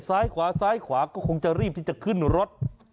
ซ้ายขวาซ้ายขวาก็คงจะรีบที่จะขึ้นรถ